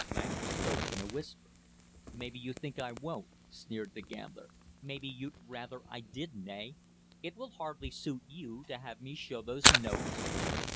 Langham spoke in a whisper. "Maybe you think I won't!" sneered the gambler. "Maybe you'd rather I didn't, eh? It will hardly suit you to have me show those notes?"